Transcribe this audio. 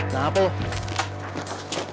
nah apa lu